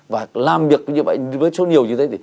và làm việc như vậy với số nhiều như thế